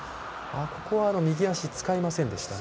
ここは右足、使いませんでしたね。